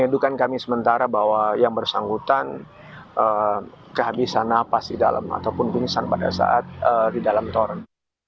rindukan kami sementara bahwa yang bersangkutan kehabisan napas di dalam ataupun pingsan pada saat di dalam toren